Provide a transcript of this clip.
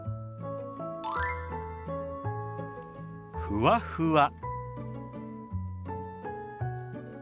「ふわふわ」。